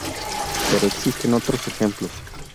Pero existen otros ejemplos.